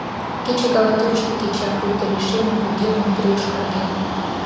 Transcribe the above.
Кече каватӱрыштӧ кеча, пуйто лишемын, кугемын, утыр йошкарген.